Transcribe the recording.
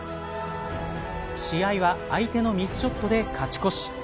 試合は相手のミスショットで勝ち越し。